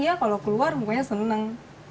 biasanya kan dia kalo keluar mukanya seneng